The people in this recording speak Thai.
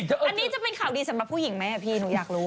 อันนี้จะเป็นข่าวดีสำหรับผู้หญิงไหมพี่หนูอยากรู้